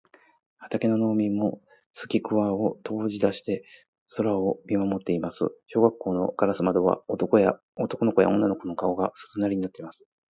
畑の農民もすきくわを投げだして空を見まもっています。小学校のガラス窓からは、男の子や女の子の顔が、鈴なりになっています。